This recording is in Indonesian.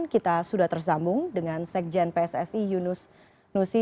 kita sudah tersambung dengan sekjen pssi yunus nusi